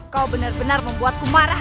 kau benar benar membuatku marah